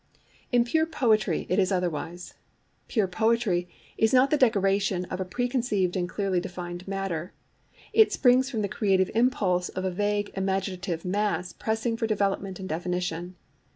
In pure poetry it is otherwise. Pure poetry is not the decoration of a preconceived and clearly defined matter: it springs from the creative impulse of a vague imaginative mass pressing for development and definition.